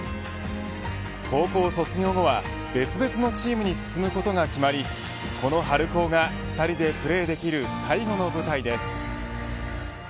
高校卒業後は別々のチームに進むことが決まりこの春高が２人でプレーできる最後の舞台です。